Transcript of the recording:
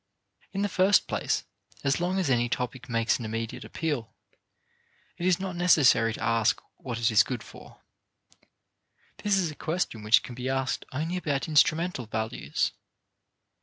In the first place, as long as any topic makes an immediate appeal, it is not necessary to ask what it is good for. This is a question which can be asked only about instrumental values.